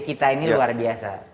kita ini luar biasa